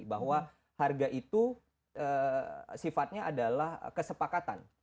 bahwa harga itu sifatnya adalah kesepakatan